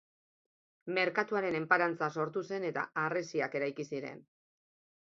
Merkatuaren enparantza sortu zen eta harresiak eraiki ziren.